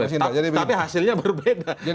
tapi hasilnya berbeda